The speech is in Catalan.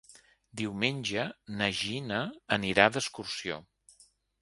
Diumenge na Gina anirà d'excursió.